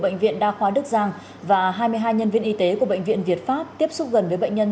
bệnh viện đa khoa đức giang và hai mươi hai nhân viên y tế của bệnh viện việt pháp tiếp xúc gần với bệnh nhân